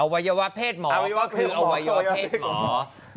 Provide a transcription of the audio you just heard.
วัยวะเพศหมอก็คืออวัยวะเพศหมอ